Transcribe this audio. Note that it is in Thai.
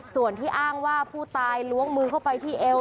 ส่วนที่อ้างว่าผู้ตายล้วงมือเข้าไปที่เอว